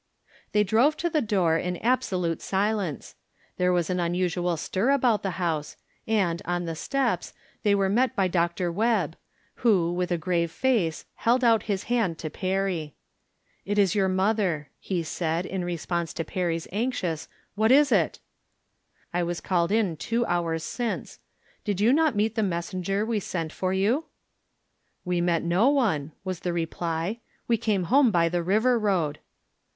They drove to the door in absolute silence. There was an unusual stir about the house, and, on the steps, they were met by Dr. Webb, who, with a grave face, held out his hand to Perry. " It is j^our mother," he said, in response to Perry's anxious " What is it ?"" I was called in two hours since. Did you not meet the messenger we sent for you ?"" We met no one," was tlie reply. " We came home by the river road."